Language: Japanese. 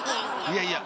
いやいや！